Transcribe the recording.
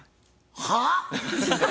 はあ？